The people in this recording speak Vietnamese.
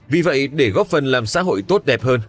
vì vậy để góp phần làm xã hội tốt đẹp hơn